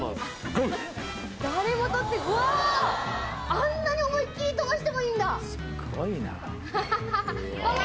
あんなに思いっきり飛ばしてもいいんだハハハごま！